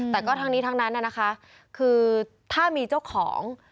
แต่ก็ทั้งนี้ทั้งนั้นนะคะคือถ้ามีเจ้าของ